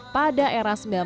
pada era sembilan belas an